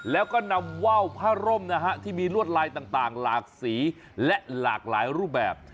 แล้วก็นำว่าวผ้าร่มนะฮะที่มีลวดลายต่างหลากสีและหลากหลายรูปแบบ